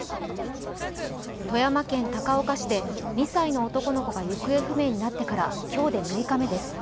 富山県高岡市で２歳の男の子が行方不明になってから今日で６日目です。